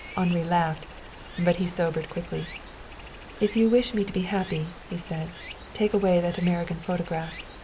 Henri laughed, but he sobered quickly. "If you wish me to be happy," he said, "take away that American photograph.